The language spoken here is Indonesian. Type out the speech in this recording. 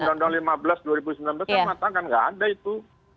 undang undang lima belas dua ribu sembilan belas itu matang kan tidak ada itu